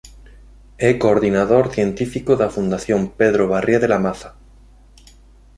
É coordinador científico da Fundación Pedro Barrié de la Maza.